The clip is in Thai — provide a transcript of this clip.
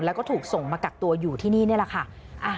แล้วก็ถูกส่งมากักตัวอยู่ที่นี่นี่แหละค่ะ